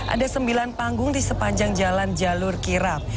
ada sembilan panggung di sepanjang jalan jalur kirap